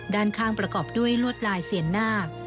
ด้านข้างประกอบด้วยลวดลายเสียนนาค